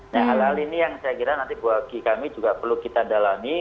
nah hal hal ini yang saya kira nanti bagi kami juga perlu kita dalami